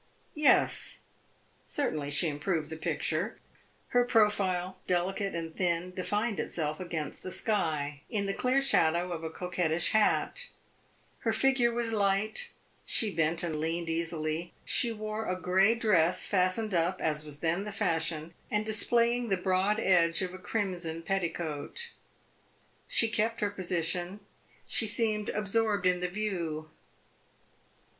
Yes, certainly she improved the picture. Her profile, delicate and thin, defined itself against the sky, in the clear shadow of a coquettish hat; her figure was light; she bent and leaned easily; she wore a gray dress, fastened up as was then the fashion, and displaying the broad edge of a crimson petticoat. She kept her position; she seemed absorbed in the view.